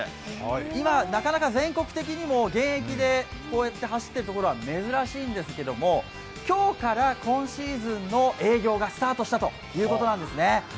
今、なかなか全国的にも現役でこうやって走ってるところは珍しいんですけど、今日から今シーズンの営業がスタートしたということなんですね。